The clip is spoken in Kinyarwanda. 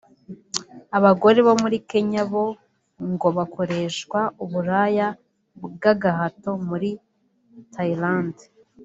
Abagore bo muri Kenya bo ngo bakoreshwa uburaya bw’agahato muri Thailand